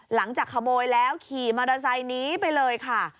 หลังจากขโมยแล้วขี่มอเตอร์ไซค์นี้ไปเลยค่ะ